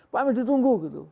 pak emil ditunggu gitu